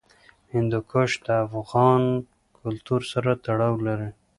هندوکش د افغان کلتور سره تړاو لري.